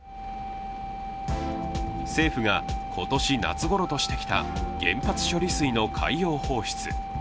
政府が今年夏ごろとしてきた原発処理水の海洋放出。